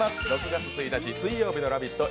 ６月１日水曜日の「ラヴィット！」